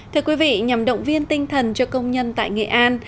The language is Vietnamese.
thưa quý vị nhằm động viên tinh thần cho công nhân tại nghệ an